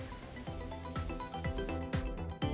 direktur eksekutif aisr fabi tumiwa